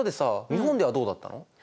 日本ではどうだったの？